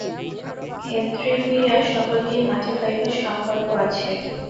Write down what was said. খেতড়ি হইয়া সকলকেই মঠে পাইবার সঙ্কল্প আছে।